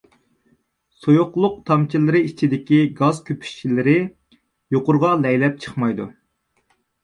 سۇيۇقلۇق تامچىلىرى ئىچىدىكى گاز كۆپۈكچىلىرى يۇقىرىغا لەيلەپ چىقمايدۇ.